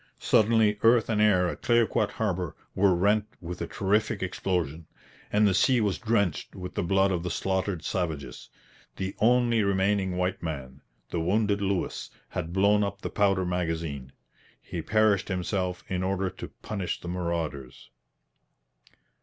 Suddenly earth and air at Clayoquot harbour were rent with a terrific explosion, and the sea was drenched with the blood of the slaughtered savages. The only remaining white man, the wounded Lewis, had blown up the powder magazine. He perished himself in order to punish the marauders.